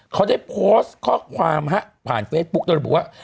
เขาได้โพสต์ข้อความผ่านเฟซบุ๊กโดยระบุว่า